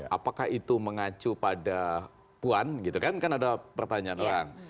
apakah itu mengacu pada puan gitu kan kan ada pertanyaan orang